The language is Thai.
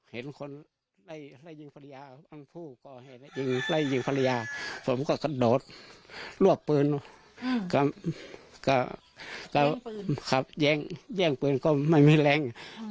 เห็นคนไล่ยิงภรรยาทั้งผู้ก่อเหตุไล่ยิงภรรยาผมก็กระโดดรวบปืนก็ขับแย่งปืนก็ไม่มีแรง